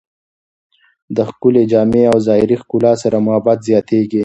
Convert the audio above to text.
د ښکلې جامې او ظاهري ښکلا سره محبت زیاتېږي.